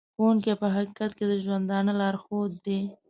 ښوونکی په حقیقت کې د ژوندانه لارښود دی.